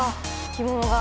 着物が。